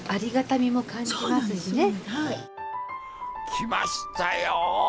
来ましたよ